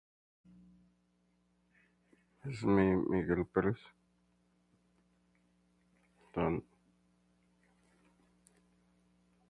Greenhouses also have applications outside of the agriculture industry.